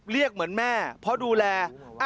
เรียกเหมือนแม่เพราะดูแล